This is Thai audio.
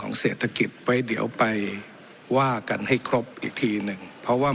เศรษฐกิจไว้เดี๋ยวไปว่ากันให้ครบอีกทีหนึ่งเพราะว่า